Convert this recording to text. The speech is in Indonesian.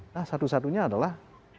nah satu satunya adalah